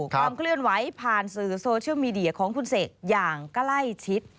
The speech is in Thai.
ความเคลื่อนไหวผ่านสื่อโซเชียลมีเดียของคุณเสกอย่างใกล้ชิด